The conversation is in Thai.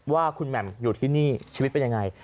ว่าคุณแหม่มอยู่ที่นี่ชีวิตเป็นยังไง